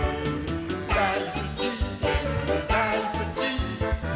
「だいすきぜんぶだいすきっ！」